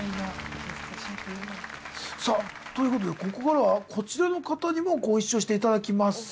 さぁということでここからはこちらの方にもご一緒していただきます。